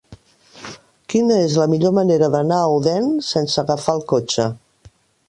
Quina és la millor manera d'anar a Odèn sense agafar el cotxe?